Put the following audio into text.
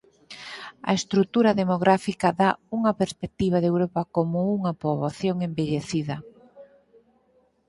A estrutura demográfica dá unha perspectiva de Europa como unha poboación envellecida.